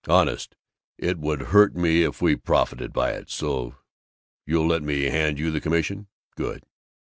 Honest, it would hurt me if we profited by it. So you'll let me hand you the commission? Good!"